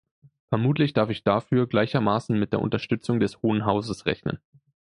Vermutlich darf ich dafür gleichermaßen mit der Unterstützung des Hohen Hauses rechnen.